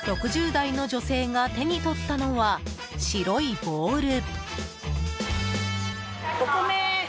６０代の女性が手に取ったのは白いボウル。